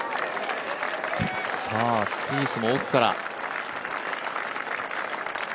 スピースも奥から。